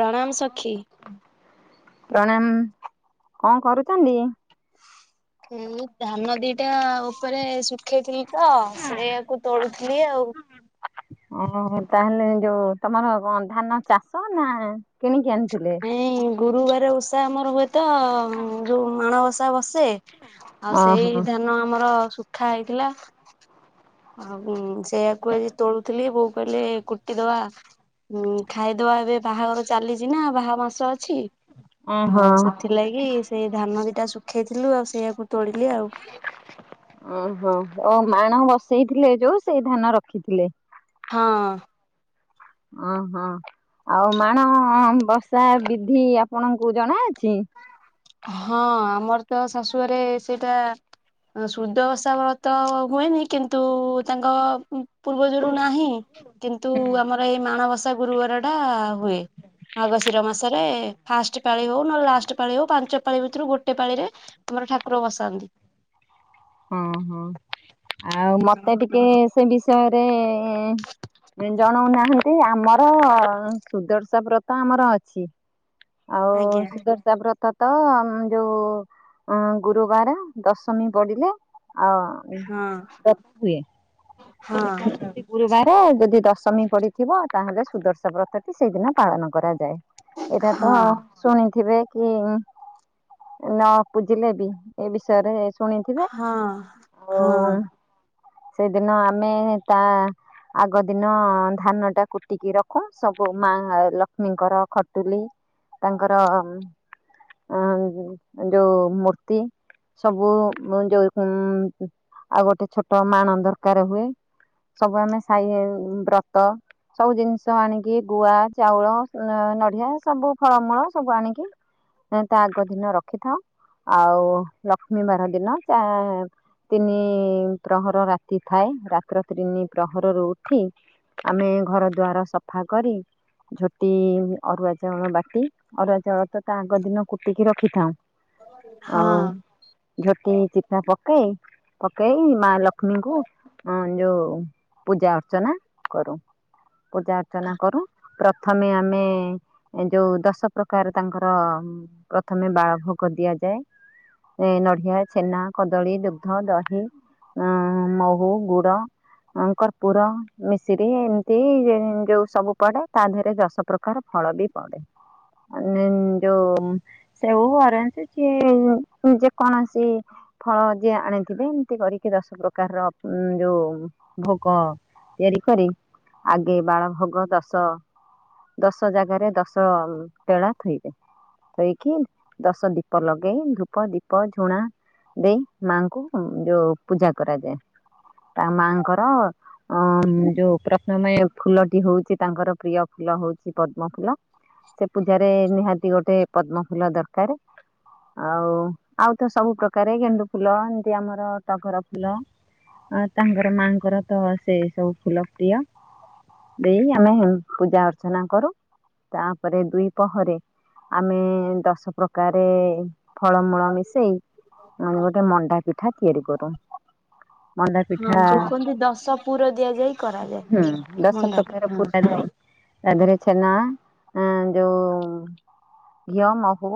ପ୍ରଣାମ ସକ୍ଷୀ। ପ୍ରଣାମ କଣ କରୁଚନ୍ତି? ଏଇ ଧାନ ଦିଟା ଉପରେ ଶୁଖେଇଥିଲି ତ ସେଇଆକୁ ତୋଳୁଥିଲି ଆଉ। ଓହୋ ତାହେଲେ ଯୋଉ ତମର କଣ ଧାନ ଚାଷ ନା କିଣିକି ଆଣି ନାଇଁ ଗୁରୁବାର ଓଷା ଆମର ହୁଏତ ଯୋଉ ମାଣବସା ବସେ ଆଉ ସେଇ ଓହୋ ଧାନ ଆମର ଶୁଖା ହେଇଥିଲା। ଆଉ ସେଇଆକୁ ଆଜି ତୋଳୁଥିଲି ବୋଉ କହିଲେ କୁଟି ଦବା। ଉଁ ଖାଇଦବା ଏବେ ବାହାଘର ଚାଲିଚି ନା ବାହା ମାସ ଅଛି। ଓହୋ ଆଉ ସେଥିଲାଗି ସେଇ ଧାନ ଦିଟା ଶୁଖେଇଥିଲୁ ଆଉ ସେଇଆକୁ ତୋଳିଲି ଆଉ। ଓହୋ ଓ ମାଣ ବସେଇଥିଲେ ଯୋଉ ସେଇ ଧାନ ରଖିଥିଲେ। ହଁ। ଅଂ ହଁ ଆଉ ମାଣବସା ବିଧି ଆପଣଙ୍କୁ ଜଣା ଅଛି? ହଁ ଆମର ତ ଶାଶୁଘରେ ସେଇଟା ସୁଦସାବ୍ରତ ହୁଏନି କିନ୍ତୁ ତାଙ୍କ ପୂର୍ବଜରୁ ନାହିଁ କିନ୍ତୁ ଆମର ଏଇ ମାଣବସା ଗୁରୁବାର ଟା ହୁଏ ମାର୍ଗଶିର ମାସରେ ଫାଷ୍ଟ ପାଳି ହୋଉ ନହେଲେ ଲାଷ୍ଟ ପାଳି ହୋଉ ପା ଚପାଳି ଭିତରୁ ଗୋଟେ ପାଳି ରେ ଆମର ଠାକୁର ବସାନ୍ତି। ହଁ ହଁ ଆଉ ମତେ ଟିକେ ସେ ବିଷୟରେ ଜଣଉନାହାନ୍ତି ଆମର ସୁଦର୍ଶା ବ୍ରତ ଆମର ଅଛି। ଆଉ ଆଜ୍ଞା ସୁଦର୍ଶା ବ୍ରତ ତ ଅମ୍ ଯୋଉ ଉଁ ଗୁରୁବାର ଦଶମୀ ପଡିଲେ ଆଉ ହଁ [unintelligible] ହୁଏ ହଁ ଏକାଦଶୀ ଗୁରୁବାର। ହଁ ଯଦି ଦଶମୀ ପଡ଼ିଥିବ ତାହେଲେ ସୁଦର୍ଶ ବ୍ରତଟି ସେଇଦିନ ପାଳନ କରାଯାଏ। ଏଇଟା ତ ହଁ ଶୁଣିଥିବେ। କି ନ ପୁଜିଲେ ବି ଏ ବିଷୟରେ ଶୁଣିଥିବେ ଆଉ ହଁ। ସେଦିନ ଆମେ ତା ଆଗ ଦିନ ଧାନ ଟା କୁଟିକି ରଖୁ ସବୁ ମା ଲକ୍ଷ୍ମୀଙ୍କର ଖଟୁଲି ତାଙ୍କର ଆଁ ଯୋଉ ମୂର୍ତ୍ତି। ସବୁ [unintelligible] ଆଉ ଗୋଟେ ଛୋଟ ମାଣ ଦରକାର ହୁଏ। ସବୁ ଆମେ ସାଇଭାଇ ବ୍ରତ ସବୁ ଜିନିଷ ଆଣିକି ଗୁଆ ଚାଉଳ ନଡିଆ ସବୁ ଫଳମୂଳ ସବୁ ଆଣିକି ତା ଆଗ ଦିନ ରଖିଥା ଆଉ ଲକ୍ଷ୍ମୀ ବାର ଦିନ ଚା ତିନି ପ୍ରହର ରାତି ଥାଏ ରା ପ୍ରତି ଦିନି ପ୍ରହରରୁ ଉଠି ଆମେ ଘର ଦ୍ୱାର ସଫା କରି। ଝୋଟି ଅରୁଆ ଚାଉଳ ବାଟି ଅରୁଆ ଚାଉଳତ ତାଆଗ ଦିନ କୁଟିକି ରଖିଥାଉ। ହଁ ଆଉ ହଁ। ଝୋଟି ଚିଠା ପକେଇ ପକେଇ ମାଲକ୍ଷ୍ ଲକ୍ଷ୍ମୀଙ୍କୁ ଅଁ ଯୋଉ ପୂଜା ଅର୍ଚ୍ଚନା କରୁ। ପୂଜା ଅର୍ଚ୍ଚନା କରୁ ପ୍ର ପ୍ରଥମେ ଆମେ ଯୋଉ ଦଶପ୍ରକାର ତାଙ୍କର ପ୍ରଥମେ ବାଳଭୋଗ ଦିଆ ଯାଏ। ଏ ନଡିଆ ଛେନା କଦଳୀ ଦୁଗଧ ଦହି ଅଁ ମହୁ ଗୁ [unintelligible] ଅଁ କର୍ପୁର ମିଶିରି ଏମିତି ଯୋଉ ସବୁ ପଡେ ତାଦେହରେ ଦଶ ପ୍ରକାର ଫଳ ବି ପଡେ। ମାନେ ଯୋଉ ସେଉ ଅରେଚ୍ ଯିଏ ଯେକୌଣସି ଫଳ ଯିଏ ଆଣିଥିବେ ଏମିତି କରିକି ଦଶପ୍ରକାରର ଯୋଉ ଭୋଗ ତିଆରିକରି ଆଗେ ବାଳଭୋଗ ଦଶ ଦଶଜାଗାରେ ଦଶ ଟେଳା ଥୋଇବେ। ହେଇକି ଦଶଦୀପ ଲଗେଇ ଧୂପ ଦୀପ ଝୁଣା ଦେଇ ମାଙ୍କୁ ଉଁ ଯୋଉ ପୂଜା କରାଯାଏ। ହଁ ତା ମାଙ୍କର ଅଁ ଯୋଉ ପ୍ରଥମେ ଫୁଲଟି ହଉଛି ତାଙ୍କର ପ୍ରିୟ ଫୁଲ ହଉଛି ହଉଛି ପଦ୍ମ ଫୁଲ ସେ ପୂଜାରେ ନିହାତି ଗୋଟେ ପଦ୍ମ ଫୁଲ ଦରକାର। ଆଉ ଆଉତ ସବୁପ୍ରକାରେ ଗେଣ୍ଡୁ ଫୁଲ ଏମିତି ଆମର ଟଘରା ଫୁଲ। ଅ ତାଙ୍କର ମାଆଙ୍କରତ ସେ ସବୁ ଫୁଲ ପ୍ରିୟ। ଦେଇ ଆମେ ପୂଜା ଅର୍ଚ୍ଚନା କରୁ। ତାପରେ ଦୁଇ ପହରେ ଆମେ ଦଶପ୍ରକାରେ ଫଳମୂଳ ମିଶେଇ ମାନେ ଗୋଟେ ମଣ୍ଡା ପିଠା ତିଆରି କରୁ ମଣ୍ଡା ପିଠା ଯୋଉ ହଁ କୁହନ୍ତି ଦଶ ପୁର ଦିଆଯାଇ କରାଯାଏ ହୁଁ ଦଶ ମଣ୍ଡାରେ ପ୍ରକାର ହଁ ପୁରାଯଏ। ତାଦେହରେ ଛେନା ଯୋଉ ଘିଅ ମହୁ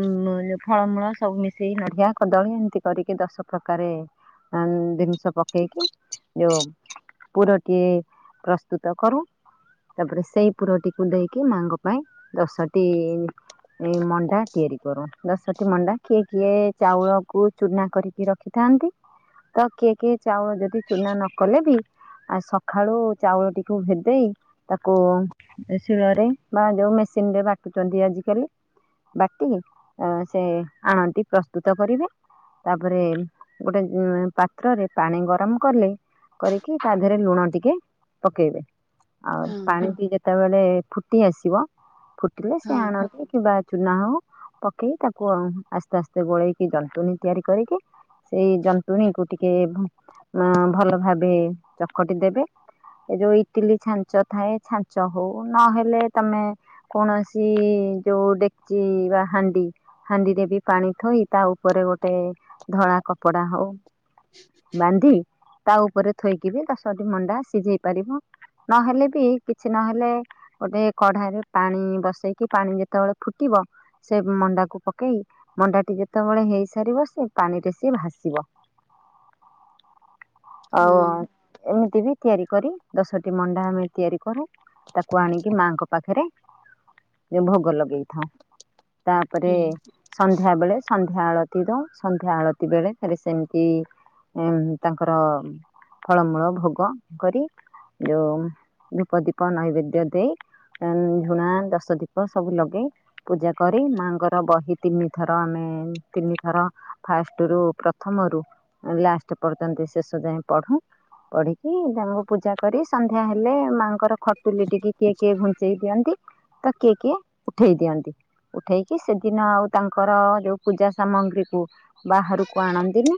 ଉଁ ଫଳମୂଳ ସବୁ ମିଶେଇ ନଡିଆ କଦଳୀ ଏମିତି କରିକି ଦଶ ପ୍ରକାରେ ହଁ ଜିନିଷ ପ ପକେଇକି ଯୋଉ ପୁରଟିଏ ପ୍ରସ୍ତୁତ କରୁ। ତାପରେ ସେଇ ପୁରଟିକୁ ଦେଇକି ମାଙ୍କ ପାଇଁ ଦଶଟି ଏଇ ମଣ୍ଡା ତିଆରି କରୁ ଦଶଟି ମଣ୍ଡା କିଏ କିଏ ଚାଉଳକୁ ଚୁନା କରିକି ରଖିଥା ଥାନ୍ତି ତ କିଏ କିଏ ଚାଉଳ ଯଦି ଚୁନା ନକଲେ ବି ଆ ସକାଳୁ ଚାଉଳଟିକୁ ଭେଦେଇ ତାକୁ ଶିଳରେ ବା ଯୋଉ ିନରେ ବାଟୁଛନ୍ତି ଆଜିକାଲି। ବାଟି ସେ ଆଣଟି ପ୍ରସ୍ତୁତ କରିବେ। ତାପରେ ଗୋଟେ ପାତ୍ରରେ ପାଣି ଗରମ କଲେ କରିକି ତାଦେହରେ ଲୁଣ ଟିକେ ପକେଇବେ। ଆଉ ହଁ। ପାଣିବି ଯେତେବେଳେ ଫୁଟି ଆସିବ କଟିଲେ ହଁ ସେ ଆଣନ୍ତି କିବା ଚୁନା ହଉ ପକେଇ ତାକୁ ଆସ୍ତେ ଆସ୍ତେ ଗୋଳେଇକି ଯନ୍ତଣୀ ତିଆରି କରିକି ସେଇ ଜନ୍ତୁଣୀକୁ ଟିକେ ଅ ଭଲ ଭାବେ ଚକଟି ଦେବେ। ଏ ଯୋଉ ଇଟିଲି ଛାଞ୍ଚ ଥାଏ ଛାଞ୍ଚ ହଉ ନହେଲେ ତମେ କୌଣସି ଯୋଉ ଡେକଚି ବା ହାଣ୍ଡି ହାଣ୍ଡିରେବି ପାଣି ଥୋଇ ତାଉପରେ ଗୋଟେ ଧଳା କପଡା ହଉ ବାନ୍ଧି ତା ଉପରେ ଥୋଇକିବି ଦସଠି ମଣ୍ଡା ସିଝେଇ ପାରିବ। ନହେଲେବି କିଛି ନହେଲେ ଗୋଟେ କଢାରେ ପାଣି ବସେଇକି ପାଣି ଯେତେବେଳେ ଫୁଟିବ ସେ ମଣ୍ଡାକୁ ପକେଇ ମଣ୍ଡାଟି ଯେତେବେଳେ ହେଇସାରିବ ସେ ପାଣିରେ ସିଏ ଭାସିବ। ହଉ ହଁ ଏମିତି ବି ତିଆରି କରି ଦଶଟି ମଣ୍ଡା ଆମେ ତିଆରିକରୁ ତାକୁ ଆଣିକି ମାଆଙ୍କ ପାଖରେ ଯଉ ଭୋଗ ଲଗେଇଥାଉ ତାପରେ ହଁ ସନ୍ଧ୍ୟା ବେଳେ ସ ନ୍ଧ୍ୟା ଆଳତି ଦଉଁ ସନ୍ଧ୍ୟା ଆଳତି ବେଳେ ଫେରେ ସେମିତି ଉଁ ତାଙ୍କର ଫଳମୂଳ ଭୋଗ କରି ଯୋଉ ଧୂପ ଦୀପ ନୈବେଦ୍ୟ ଦେଇ ଉଁ ଝୁଣା ଦଶଦୀପ ସବୁ ଲଗେଇ ପୂଜା କରି ମାଆଙ୍କର ବହି ତିନି ଥର ଆମେ ତିନିଥର ଫାଷ୍ଟ୍ ରୁ ପ୍ରଥମରୁ ଲାଷ୍ଟ୍ ତେ ପଢୁଚନ୍ତି ଶେଷ ଯାଏଁ ପଢୁଁ ପଢିକି ତାଙ୍କୁ ପୂଜା କରି ସନ୍ଧ୍ୟା ହେଲେ ମା କର ଖଟୁଲି ଟିକି କିଏ କିଏ ଘୁଞ୍ଚେଇ ଦିଅନ୍ତି ତ କିଏ କିଏ ଉଠେଇ ଦିଅନ୍ତୀ। ତୀ ଉଠେଇକି ସେଦିନ ଆଉ ତାଙ୍କର ଯୋଉ ପୂଜା ସାମଗ୍ରୀକୁ ବାହାରକୁ ଆଣନ୍ତିନି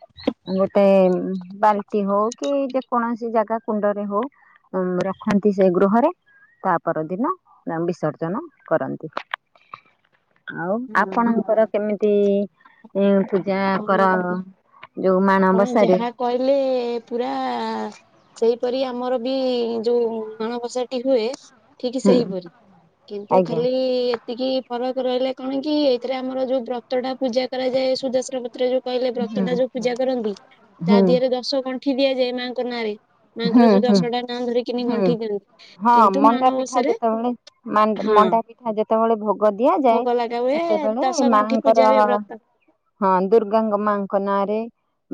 ଗୋ ତେମ୍ ବାଲ୍ଟି ହଉ କି ଯେକୌଣସି ଜାଗା କୁଣ୍ଡରେ ହଉ ଉଁ ରଖନ୍ତି ସେ ଗୃହରେ ତା ପରଦିନ ନାମ୍ ବିସର୍ଜନ କରନ୍ତି। ଆଉ ଆପଣଙ୍କର କେମିତି ଇଁ ପୂଜା ହଁ କଣ କର ଯୋଉ ଆପଣ ମାଣବସ ଯାହା କହିଲେ ପୁରା ସେଇ ପରି ଆମର ବି ଯୋଉ ମାଣବସାଟି ହୁଏ। ଠିକ ହୁଁ ସେହିପରି କିନ୍ତୁ ଆଜ୍ଞା। ଖାଲି ଏତିକି ଫରକ ରହିଲେ କଣ କି ଏଇଥିରେ ଆମର ଯୋଉ ବ୍ରତ ଟା ପୂଜା କରାଯାଏ ତ୍ର ପତ୍ର ଯୋଉ କହିଲେ ହୁଁ ବ୍ରତଟା ଯୋଉ ହୁଁ। ପୂଜା କରନ୍ତି ତା ହୁଁ ଦିହରେ ଦଶ ଗଣ୍ଠି ଦିଆଯାଏ ମାଆଙ୍କ ନାଁରେ ହୁଁ ମାଙ୍କର ଯୋଉ ହୁଁ ଦଶଟା ନାଁ ଧରିକିନି ହୁଁ ଗଣ୍ଠି ଦିଅନ୍ତି ହଁ କିନ୍ତୁ ମଣ୍ଡା ପିଠା ମାଣବସାରେ ଯେତବେଳେ ମାଙ୍କ ହଁ ମଣ୍ଡା ପିଠା ଯେତବେଳେ ଭୋଗ ଦିଆଯାଏ ଭୋଗ ଲଗା ହୁଏ ସେତବେଳେ ଦଶ ଗଣ୍ଠି ମାଆଙ୍କର ପୂଜା ହୁଏ ବ୍ରତ ହଁ ଦୁର୍ଗାଙ୍କ ମାଙ୍କ ନାଁରେ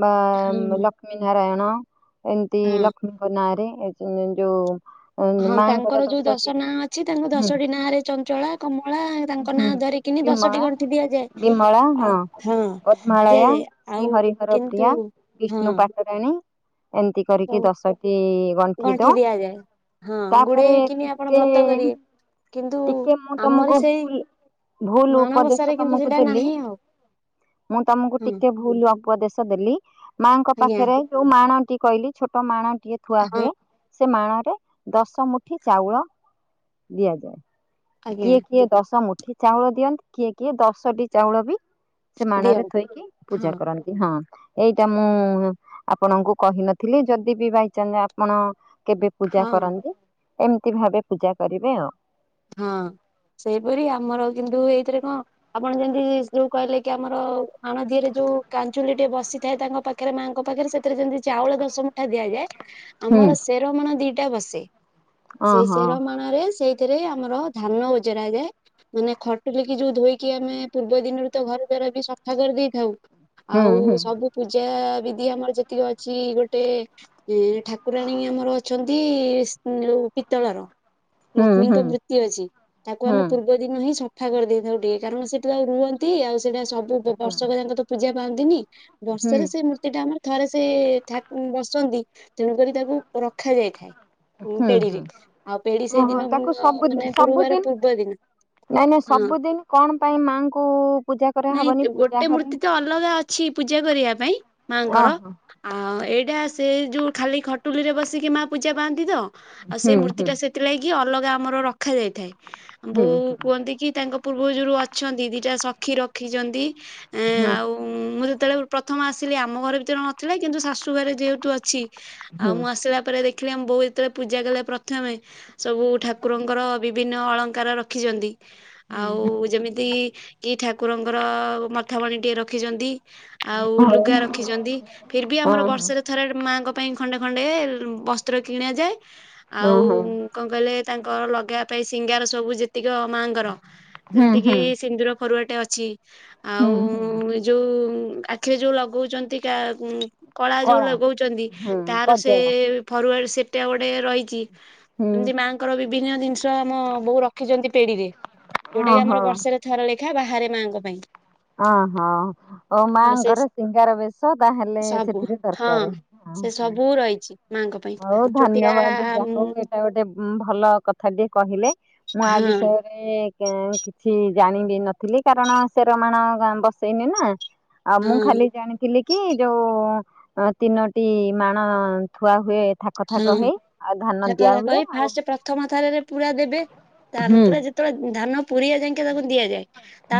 ବା ହଁ ଲକ୍ଷ୍ମୀ ନାରାୟଣ ଏମତି ହଁ ଲକ୍ଷ୍ମୀଙ୍କ ନାଁ ରେ ଏ [unintelligible] ଯୋଉ ହଁ ମାଙ୍କର ତାଙ୍କର ଯୋଉ ଦଶଟି ଦଶ ନାଁ ଅଛି ତାଙ୍କୁ ହୁଁ ଦଶଟି ନାଁରେ ଚଞ୍ଚଳା କମଳା ତାଙ୍କ ହୁଁ ନାଁ କରିକିନି ଦଶଟି ବିମଳା ଗଣ୍ଠି ଦିଆଯାଏ ଆ ହଁ ପଦ୍ମାଳୟା ଦିଆଯାଏ ଶ୍ରୀ ଆଉ ହରିହର କିନ୍ତୁ ପ୍ରିୟା ହଁ ବିଷ୍ଣୁ ପାଟରାଣୀ ଏମତି କରି ରିକି ସବୁ ଦଶଟି ଗଣ୍ଠି ତ ହଁ ତାପରେ ଗୁଡେଇକିନି ଆପଣ ଟିକେ ବ୍ରତ କରିବେ କିନ୍ତୁ ଟିକେ ମୁଁ ଆମରି ତମକୁ ସେଇ ଭୁଲ୍ ଭୁଲ୍ ଉପଦେଶ ମାଣବସାରେ କିନ୍ତୁ ତମକୁ ସେଇଟା ଦେଲି। ନାହିଁ ଆଉ ମୁଁ ତମକୁ ହଁ ଟିକେ ଭୁଲ ଅପଦେଶ ଦେଲି ମାଆଙ୍କ ଆଜ୍ଞା ପାଖରେ ଯୋଉ ମାଣ ଟି କଇଲି ଛୋଟ ମାଣ ଟିଏ ଥୁଆ ହଁ ହୁଏ। ସେ ମାଣରେ ଦଶ ମୁଠି ଚାଉଳ ଦିଆଯାଏ। ଆଜ୍ଞା କିଏ କିଏ ଦଶ ମୁଠି ଚାହୁଳ ଦିଅନ୍ତି କିଏ କିଏ ଦଶଟି ଚାଉଳ ବି ସେ ମାଣ ରେ ଦିଅନ୍ତୁ ଥୋଇକି ହଁ ପୂଜା କରନ୍ତି ହଁ। ଏଇଟା ମୁଁ ଆପଣଙ୍କୁ କହିନଥିଲି ଯଦି ବି ବାଇଚାଞ୍ଚ ଆପଣ କେବେ ପୂଜା ହଁ। କରନ୍ତି ଏମିତି ଭାବେ ପୂଜା କରିବେ ଆଉ। ହଁ। ସେଇପରି ଆମର କିନ୍ତୁ ଏଇଥିରେ କଁ ଆପଣ ଯେମିତି ଯୋଉ କହିଲେ କି ଆମର ମାଣ ଦିଅରେ ଯୋ ଉ କାଞ୍ଚୁଲି ଟିଏ ବସିଥାଏ ତାଙ୍କ ପାଖରେ ମାଆଙ୍କ ପାଖରେ ସେଥିରେ ଯେମିତି ଚାଉଳ ଦଶ ମୁଠା ଦିଆଯାଏ। ହୁଁ ଆମର ଶେରମାଣ ଦିଇଟା ବସେ ଅ ସେଇ ହଁ ଶେରମାଣ ରେ ସେଇଥିରେ ଆ ମୋର ଧାନ ଓଜରାରେ। ମାନେ ଖଟୁଲିକି ଯୋଉ ଧୋଇକି ଆମେ ପୂର୍ବ ଦିନରୁ ତ ଘର ଦ୍ୱାର ବି ସଫା କରିଦେଇଥାଉ। ହୁଁ ଆଉ ହୁଁ ସବୁ ପୂଜା ବିଧି ଆମର ଯେତିକି ଅଛି ଗୋଟେ ଏ ଠାକୁରାଣୀ ଆମର ଅଛନ୍ତି ଏ ସନ୍ ଯୋଉ ପିତଳର। ହୁଁ ହୁଁ। ତି ଅଛି ତାକୁ ହୁଁ ଆମେ ପୂର୍ବ ଦିନ ହିଁ ସଫା କରିଦେଇଥାଉ ଟିକେ କାରଣ ସେଠି ଆଉ ରୁହନ୍ତି ଆଉ ସି ସେଇଟା ସବୁ ବ ହୁଁ ବର୍ଷକ ଯାଙ୍କ ତ ପୂଜା ପାଆନ୍ତିନି ହୁଁ ବର୍ଷରେ ସେଇ ମୂର୍ତ୍ତି ଟା ଆମର ଥରେ ସେ ଠାକୁଁ ବସନ୍ତି ତେଣୁକରି ତାକୁ ରଖାଯାଇଥାଏ। ହୁଁ ପେଢିରେ ଆଉ ପେଢୀ ଓହୋ ସେଇଦିନ ଉ ତାକୁ ଆ ମାନେ ଗୁରୁବାର ପୂର୍ବ ଦିନ। ନାଇ ନାଇ ହଁ ସବୁଦିନ କଣ ପାଇଁ ମାଙ୍କୁ ପୂଜା ନାଇଁ କରାହବନି ପୂଜା ଗୋଟେ ଘରେ? ମୂର୍ତ୍ତି ତ ଅଲଗା ଅଛି ପୂଜା କରିବା ପାଇଁ ମାଙ୍କର ଓହୋ ଆଉ ଏଇଟା ସେ ଯୋଉ ଖାଲି ଖଟୁଲିରେ ବସିକି ମା ପୂଜା ପାଆନ୍ତିତ ଆଉ ହୁଁ ସେ ହୁଁ ମୂର୍ତ୍ତିଟା ସେଥିଲାଗି କି ଅଲଗା ଆମର ରଖାଯାଇଥାଏ ହୁଁ ବୋଉ କୁହନ୍ତିକି ତାଙ୍କ ପୂର୍ବ ଯୋରୁ ଅଛନ୍ତି ଦିଟା ସଖି ରଖିଛନ୍ତି। ଏଁ ହୁଁ। ଆଉ ମୁଁ ଯେତେବେଳେ ପ୍ରଥମ ଆସିଲି ଆମ ଘରଭିତରେ ନଥିଲା କିନ୍ତୁ ଶାଶୁ ଘରେ ଯେହେତୁ ଅଛି ଆଉ ହୁଁ ମୁଁ ଆସିଲାପରେ ଦେଖି ଦେଖିଲି ଆମବୋଉ ଯେତେବେଳେ ପୂଜା କଲେ ପ୍ରଥମେ ସବୁ ଠାକୁରଙ୍କୁ- ଙ୍କର ବିଭିନ୍ନ ଅଳଙ୍କାର ରଖିଛନ୍ତି ଆଉ ଯେମିତିକି କି ଠାକୁ ଠାକୁରଙ୍କର ମଥାମଣୀ ଟିଏ ରଖିଛନ୍ତି। ଆଉ ହଉ ଲୁଗା ରଖିଛନ୍ତି। ଫିରବି ହଁ ଆମର ବର୍ଷରେ ଥରେ ମାଙ୍କ ପାଇଁ ଖଣ୍ଡେ ଖଣ୍ଡେ ବସ୍ତ୍ର କିଣାଯାଏ ହଁ ଆଉ ହଁ ହଁ କଣ କହିଲେ ତାଙ୍କ ଙ୍କ ଲଗେଇବାପାଇଁ ସିଙ୍ଗାର ସବୁ ଯେତିକି ମାଆଙ୍କର ହୁଁ ଯେମିତିକି ହୁଁ ସିନ୍ଦୁର ଫରୁଆଟେ ଅଛି। ହୁଁ ହୁଁ ଆଉ ଯୋଉ ଆଖିରେ ଯୋଉ ଲଗଉଚନ୍ତି କା ଉ କଳା ଯୋଉ ଲଗଉଚନ୍ତି ହୁଁ ତାର କଜଳ ସେଇ ଫରୁଆ ସେଟା ଗୋଟେ ରହିଚି। ହୁଁ। ଙ୍କର ବିଭିନ୍ନ ଜିନିଷ ଆମ ବଉ ରଖିଚନ୍ତି ପେଡିରେ ଯୋଉଟାକିି ଓହୋ ଆମର ବର୍ଷରେ ଥରେ ଲେ ଖା ବାହାରେ ମାଆଙ୍କ ପାଇଁ ଓ ହୋ ଓ ଆଉ ସେ ମାଙ୍କର ଶିଙ୍ଗାରବେଶ ତାହେଲେ ସବୁ ସେଥିରେ ହଁ ଦରକାରେ। ଅ ସେ ହୁଁ ସବୁ ରହିଛି ମାଙ୍କ ପାଇଁ ହଉ ଛୋଟିଆ ଧନ୍ୟବାଦ ଯାହୋଉ ଏଟାଗୋଟେ ଉଁ ଭଲ ଭଲ କଥା ଟିଏ କହିଲେ ଆ ହଁ ବିଷୟରେ କେଁ କିଛି ଜାଣିବି ନଥିଲି କାରଣ ସେରମାଣ କଁ ବସେଇନି ନା ଆଉ ମୁଁ ହଁ ଖାଲି ଜାଣିଥିଲି କି ଯୋଉ ତିନୋଟି ମାଣ ଥୁଆ ହୁଏ ଥାକ ଥାକ ହେଇ ଆଉ ଧାନ ସେ ଦିଆ କଥା ହୁଏ କହି ଆଉ ଫାଷ୍ଟ ପ୍ରଥମଥରରେ ପୁରା ଦେବେ ହୁଁ ତାପରେ ଯେତେବେଳେ ଧାନ ପୁରିବା ଯାଙ୍କେ ତାକୁ ଦିଆଯାଏ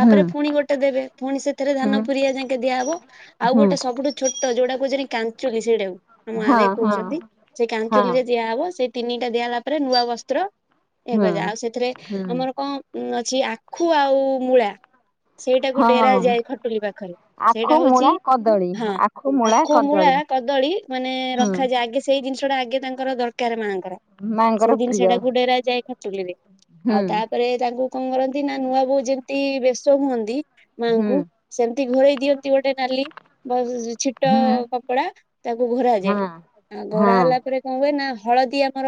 ହୁଁ ପୁଣି ଗୋଟେ ଦେବେ ପୁଣି ସେଥିରେ ଧାନ ହୁଁ ପୁରିଆ ଯାଙ୍କେ ଦିଆହବ। ଆଉ ହୁଁ ଗୋଟେ ସବୁଠୁ ଛୋଟ ଯୋଉଟା କହୁଚନ୍ତି କାଞ୍ଚୁଲୀ ସେଇଟାକୁ ଆମ ହଁ ଗାଁରେ ହଁ କହୁଚନ୍ତି। ହଁ କାଞ୍ଚୁଲିରେ ଦିଆହବ ସେଇ ତିନିଟା ଦିଆ ହେଲା ପରେ ନୂଆ ବସ୍ତ୍ର ହୁଁ ଏବେ ଯା ଆଉ ସେଥିରେ ଆମର କଣ ମ୍ ଅଛି ଆଖୁ ଆଉ ମୂଳା ସେଇଟାକୁ ହୁଁ ହଁ। ଡେରାଯାଏ ଖଟୁଲିପାଖରେ ସେଇଟା ଆଖୁ ହଉଚି ମୂଳା କଦଳୀ ହଁ ମୂଳା ଆଖୁ ମୂଳା କଦଳୀ କଦଳୀ ମାନେ ହୁଁ ରଖାଯାଏ ଆଗେ ସେଇ ଜିନିଷ ଟା ଆଗେ ତାଙ୍କର ଦରକାର ମାଙ୍କୁ କାର ମାଙ୍କର ପ୍ରିୟ ସେଇଜିନିଷଟାକୁ ଡେରାଯାଇଥାଏ ଖଟୁଲିରେ ହୁଁ ଆଉ ତାପରେ ତାଙ୍କୁ କଣ କରନ୍ତି ନା ନୂଆ ବୋଉ ଯେମିତି ବେଶ ହୁଅନ୍ତି। ହୁଁ ମାଆଙ୍କୁ ସେମତି ଘୋଡେଇ ଦିଅନ୍ତି ଗୋଟେ ନାଲି ଛିଟ ହୁଁ କପଡା ତାକୁ ହଁ ଘୋରାଯାଏ, ଆଉ ହଁ ଘୋରା ହେଲା ପରେ କଣ ହୁଏ ନା ହଳଦୀ ଆମର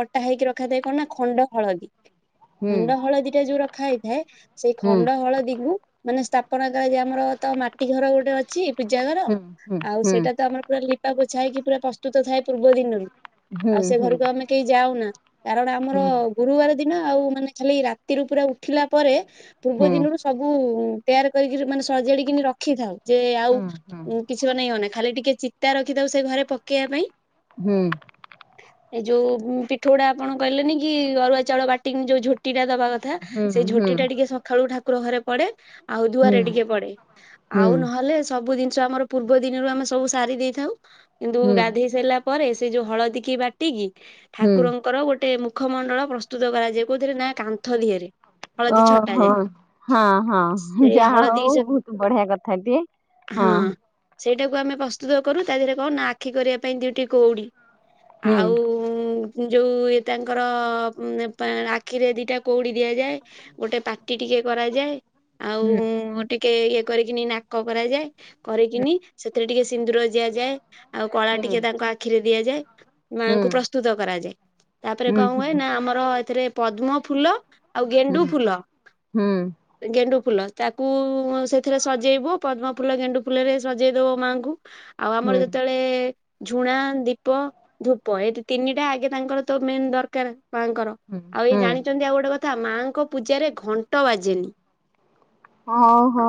ବଟା ହେଇକି ରଖାଯାଏ କଣ ନା ଖଣ୍ଡ ହଳଦୀ। ହୁଁ ଖଣ୍ଡ ହଳଦୀଟା ଯୋଉ ରଖା ହେଇଥାଏ ସେଇ ହୁଁ ଖଣ୍ଡ ହଳଦୀକୁୁ ମାନେ ସ୍ଥାପ [unintelligible] ଆଜି ଆମରତ ମାଟି ଘର ଗୋଟେ ଅଛି ପୂଜା ଘର ହୁଁ ଆଉ ହୁଁ ସେଇଟା ତ ଆମର ପୁରା ଲିପା ପୋ ଛା ହେଇକି ପୁରା ପ୍ରସ୍ତୁତ ଥାଏ ପୂର୍ବ ଦିନରୁ, ହୁଁ ଆଉ ସେ ହୁଁ ଘରକୁ ଆମେ କେହି ଯାଉନା। କାରଣ ଆମର ହୁଁ ଗୁରୁବାର ଦିନ ଆଉ ମାନେ ଖାଲି ରାତିରୁ ପୁରା ଉଠିଲା ପରେ ପୂର୍ବ ଦିନରୁ ସବୁ ତିଆର କରିକିରି ମାନେ ସଜାଡିକିନି ରଖିଥାଉ। ଯେ ହୁଁ ହୁଁ ଆଉ କିଛି ବନେଇବନି ଖାଲି ଟିକେ ଚିତା ରଖିଥାଉ ସେ ଘରେ ପକେଇବା ପାଇଁ। ହୁଁ। ଏଇ ଯୋଉ ପିଠୋଉ ଗୁଡା ଆପଣ କହିଲେନି କି ଅରୁଆ ଚାଉଳ ବାଟିକି ଯୋଉ ଝୋଟି ଦବା କଥା ହୁଁ ସେଇ ହୁଁ ହୁଁ ଝୋଟିଟା ଟିକେ ସଖାଳୁ ଠାକୁର ଘରେ ପଡେ। ଆଉ ଦୁଆରେ ହୁଁ ଟିକେ ପଡେ। ହୁଁ ଆଉ ହୁଁ ନହେଲେ ସବୁ ଜିନ ଷ ଆମର ପୂର୍ବ ଦିନରୁ ଆମେ ସବୁ ସାରି ଦେଇଥାଉ କିନ୍ତୁ ଗାଧେଇ ସାଇଲା ପରେ ସେ ଯୋଉ ହଳଦୀକି ବାଟିକି ହୁଁ ଠାକୁରଙ୍କର ଗୋଟେ ମୁ ଖ ମଣ୍ଡଳ ପ୍ରସ୍ତୁତ କରାଯାଏ କୋଉଥିରେ ନା କାନ୍ଥ ଦିହରେ। ହଳଦୀ ଓହୋ! ଛଟାଯାଏ ହଁ ହଁ ସେ ହଳଦୀ ଯାହାହଉ ସେ ବହୁତ ବଢିଆ କଥାଟିଏ। ହଁ। ସେଇଟାକୁ ଆମେ ପ୍ରସ୍ତୁତ କରୁ ତା ଦେହରେ କଣ ନା ଆଖି କରିବା ପାଇଁ ଦୁଇଟି କଉଡି ହୁଁ ଆଉ ଯୋଉ ଇଏ ତାଙ୍କର ମ୍ପା ଆଖିରେ ଦିଟା କୋଉଡି ଦିଆଯାଏ ଗୋଟେ ପାଟି ଟିକେ କରାଯାଏ ଆଉ ଉଁ ଟିକେ ଇଏ କରିକିନି ନାକ କରାଯାଏ। କରିକିନି ସେଥିରେ ଟିକେ ସିନ୍ଦୁର ଦିଆଯାଏ, ଆଉ କଳା ହୁଁ ଟିକେ ତାଙ୍କ ଆଖିରେ ଦିଆଯାଏ। ହୁଁ ମାଆଙ୍କୁ ପ୍ରସ୍ତୁତ କରାଯାଏ, ତାପରେ ହୁଁ କଣ ହୁଁ ହୁଏ ନା ଆମର ଏଥିରେ ପଦ୍ମଫୁଲ ଆଉ ହୁଁ ହୁଁ ଗେଣ୍ଡୁଫୁଲ ହୁଁ ଗେଣ୍ଡୁ ଫୁଲ ତାକୁ ସେଥିରେ ସଜେଇବ ପଦ୍ମଫୁଲ ଗେଣ୍ଡୁଫୁଲରେ ସଜେଇ ଦେବ ମାଆଙ୍କୁ। ଆଉ ହୁଁ ଆମର ଯୋଉ ଏ ଝୁଣା, ଦୀପ, ଧୂପ ଏ ତିନିଟା ଆଗେ ତାଙ୍କର ତ ମେନ୍ ଦରକାର। ମାଆଙ୍କର ହୁଁ ଆଉ ଏଇ ହୁଁ ଜାଣିଚନ୍ତି ଆଉ ଗୋଟେ କଥା ମାଆଙ୍କ ପୂଜାରେ ଘଣ୍ଟ ବାଜେନି। ହଉ ହଉ।